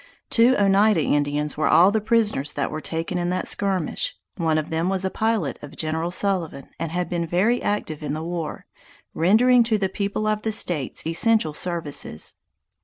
Two Oneida Indians were all the prisoners that were taken in that skirmish. One of them was a pilot of Gen. Sullivan, and had been very active in the war, rendering to the people of the states essential services.